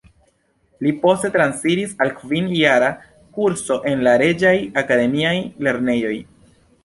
Li poste transiris al kvin-jara kurso en la Reĝaj Akademiaj Lernejoj.